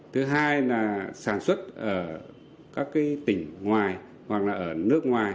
thứ hai là sản xuất ở các tỉnh ngoài hoặc là ở nước ngoài